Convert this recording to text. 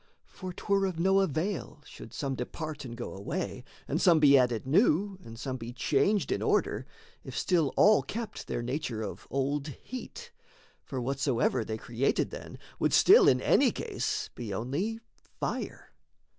For 'twere of no avail Should some depart and go away, and some Be added new, and some be changed in order, If still all kept their nature of old heat: For whatsoever they created then Would still in any case be only fire.